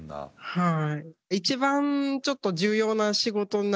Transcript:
はい。